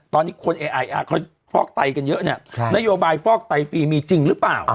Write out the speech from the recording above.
ตอนนี้คนเขาฟอกไตกันเยอะเนี่ยนโยบายฟอกไตฟรีมีจริงหรือเปล่า